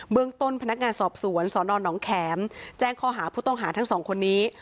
เมืองต้นพนักงานสอบสวนสนหนองแข็มแจ้งข้อหาผู้ต้องหาทั้งสองคนนี้